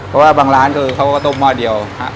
เพราะว่าบางร้านคือเขาก็ต้มหม้อเดียวครับ